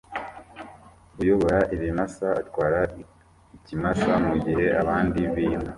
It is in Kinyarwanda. Uyobora ibimasa atwara ikimasa mugihe abandi binka